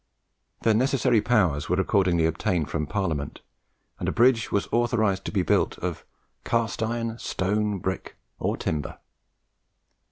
The necessary powers were accordingly obtained from Parliament, and a bridge was authorized to be built "of cast iron, stone, brick, or timber."